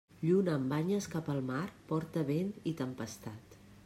Lluna amb banyes cap al mar porta vent i tempestat.